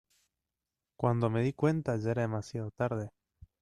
cuando me di cuenta ya era demasiado tarde.